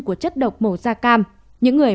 của chất độc màu da cam những người